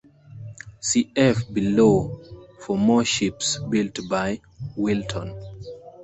Cf below for more ships built by Wilton.